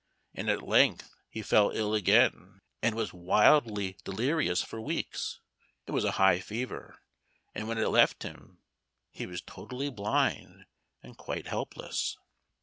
And at length he fell ill again, and was wildly delirious for weeks. It was a high fever; and when it left him, he was totally blind, and quite helpless.